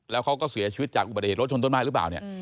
แล้วเขาก็เสียชีวิตจากอุบัติเหตุรถชนต้นไม้หรือเปล่าเนี่ย